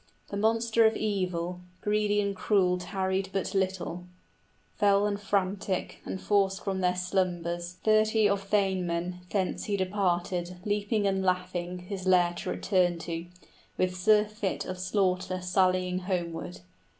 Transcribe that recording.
The monster of evil Greedy and cruel tarried but little, {He drags off thirty of them, and devours them} Fell and frantic, and forced from their slumbers Thirty of thanemen; thence he departed 10 Leaping and laughing, his lair to return to, With surfeit of slaughter sallying homeward.